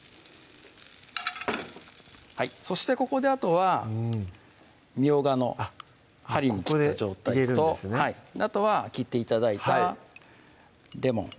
そしてここであとはみょうがの針に切った状態とあとは切って頂いたレモン